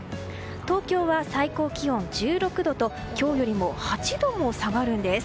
東京は最高気温１６度と今日よりも８度も下がるんです。